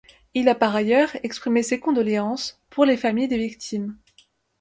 Il a par ailleurs exprimé ses condoléances pour les familles des victimes.